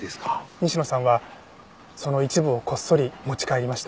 西野さんはその一部をこっそり持ち帰りました。